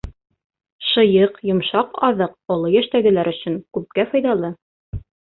Шыйыҡ, йомшаҡ аҙыҡ оло йәштәгеләр өсөн күпкә файҙалы.